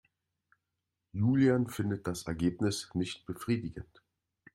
Julian findet das Ergebnis nicht befriedigend.